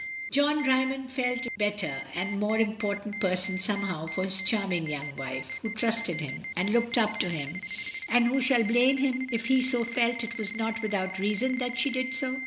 John Dymond felt a better and more important person somehow for his charming young wife, who trusted him, and looked up to him — and who shall blame him if he also felt it was not without reason that she did so?